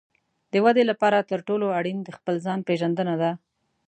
د ودې لپاره تر ټولو اړین د خپل ځان پېژندنه ده.